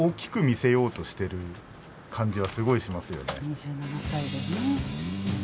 ２７歳でね。